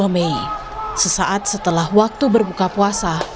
dua puluh mei sesaat setelah waktu berbuka puasa